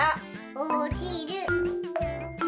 おちる。